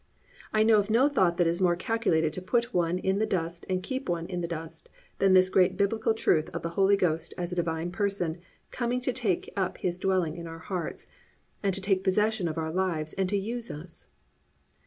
I know of no thought that is more calculated to put one in the dust and keep one in the dust than this great Biblical truth of the Holy Ghost as a Divine Person coming to take up His dwelling in our hearts, and to take possession of our lives and to use us.